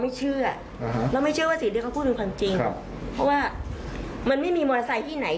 เพราะว่ามันไม่มีมอเตอร์ไซค์ที่ไหน